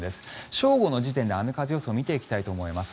正午の時点で、雨風予想を見ていきたいと思います。